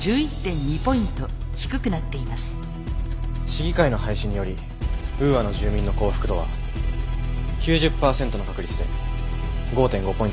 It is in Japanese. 市議会の廃止によりウーアの住民の幸福度は９０％の確率で５．５ポイント上昇します。